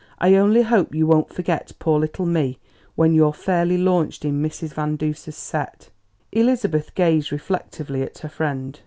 "I only hope you won't forget poor little me when you're fairly launched in Mrs. Van Duser's set." Elizabeth gazed reflectively at her friend.